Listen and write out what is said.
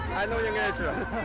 saya tahu bahasa inggris